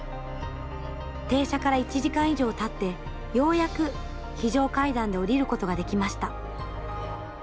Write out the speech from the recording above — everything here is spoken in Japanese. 停車から１時間以上たってようやく、非常階段で降りることができました。